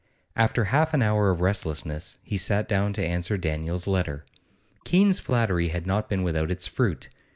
After half an hour of restlessness he sat down to answer Daniel's letter. Keene's flattery had not been without its fruit.